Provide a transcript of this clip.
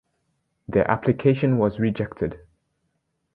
Their application was rejected.